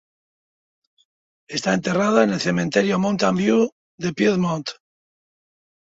Está enterrada en el Cementerio Mountain View de Piedmont.